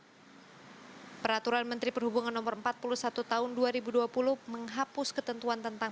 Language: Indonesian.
hai peraturan menteri perhubungan nomor empat puluh satu tahun dua ribu dua puluh menghapus ketentuan tentang